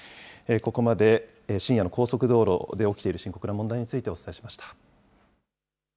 ここまで、深夜の高速道路で起きている深刻な問題についてお伝えしました。